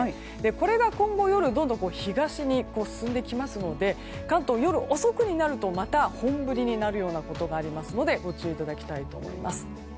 これが今後、夜どんどん東に進んできますので関東は夜遅くになるとまた本降りになることもありますのでご注意いただきたいと思います。